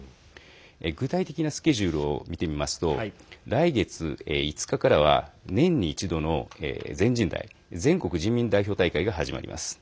具体的なスケジュールを見てみますと来月５日からは年に一度の全人代＝全国人民代表大会が始まります。